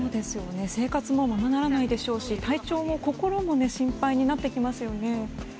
生活もままならないでしょうし体調も心も心配になってきますよね。